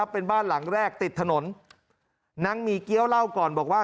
เป็นบ้านหลังแรกติดถนนนางหมี่เกี้ยวเล่าก่อนบอกว่า